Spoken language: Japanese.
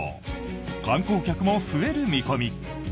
観光客も増える見込み。